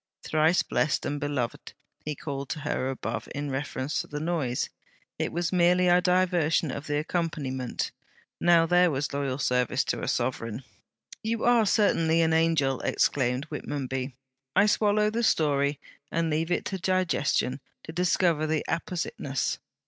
"Thrice blessed and beloved!" he called to her above, in reference to the noise, "it was merely a diversion of the accompaniment." Now there was loyal service to a sovereign!' 'You are certainly an angel!' exclaimed Whitmonby. 'I swallow the story, and leave it to digestion to discover the appositeness.